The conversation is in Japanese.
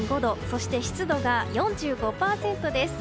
そして湿度が４５％です。